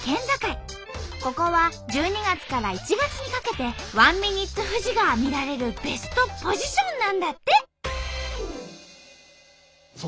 ここは１２月から１月にかけてワンミニッツ富士が見られるベストポジションなんだって。